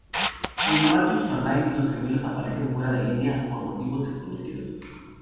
En "The Matrix Online", los Gemelos aparecen fuera de línea, por motivos desconocidos.